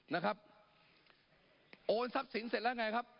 นะครับโอนทรัพย์สินเสร็จแล้วไงครับ